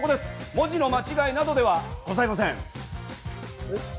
文字の間違いなどではございません。